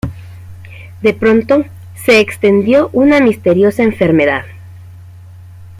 De pronto, se extendió una misteriosa enfermedad.